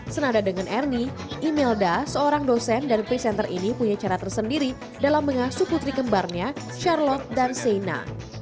senada dengan ernie imelda seorang dosen dan presenter ini punya cara tersendiri dalam mengasuh putri kembarnya charloth dan seina